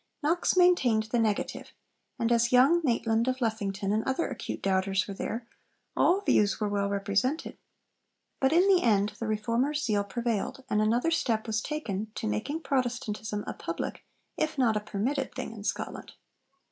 Knox maintained the negative, and as young Maitland of Lethington and other acute doubters were there, all views were well represented. But in the end the Reformer's zeal prevailed, and another step was taken to making Protestantism a public if not a permitted thing in Scotland.